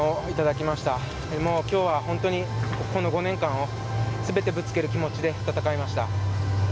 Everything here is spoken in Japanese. きょうは、本当にこの５年間をすべてぶつける気持ちで戦いました。